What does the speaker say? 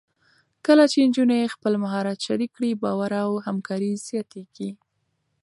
کله چې نجونې خپل مهارت شریک کړي، باور او همکاري زیاتېږي.